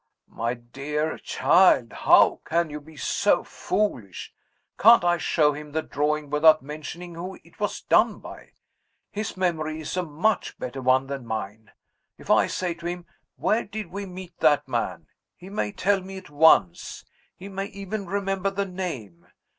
"My dear child! how can you be so foolish? Can't I show him the drawing without mentioning who it was done by? His memory is a much better one than mine. If I say to him, 'Where did we meet that man?' he may tell me at once he may even remember the name.